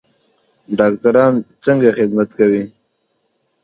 ډاکټران څنګه خدمت کوي؟